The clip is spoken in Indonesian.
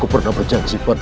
ayo keluarkan jurus kalian